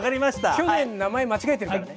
去年名前間違えてるからね。